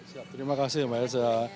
siap terima kasih mbak elza